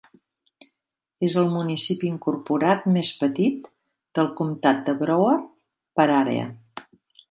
És el municipi incorporat més petit del comtat de Broward per àrea.